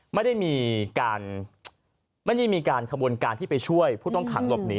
ไม่ได้มีการไม่ได้มีการขบวนการที่ไปช่วยผู้ต้องขังหลบหนี